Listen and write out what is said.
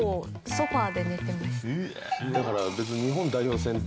だから別に。